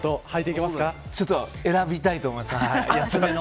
ちょっと選びたいと思います。